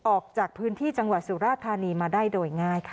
ออกจากพื้นที่จังหวัดสุราธานีมาได้โดยง่ายค่ะ